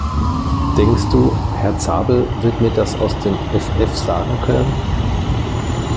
Denkst du, Herr Zabel wird mir das aus dem Effeff sagen können?